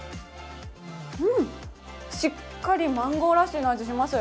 しっかりマンゴーラッシーの味、します。